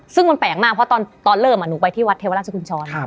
ซึ่งมันแปลกมากเพราะตอนเริ่มหนูไปที่วัดเทวราชกุญชร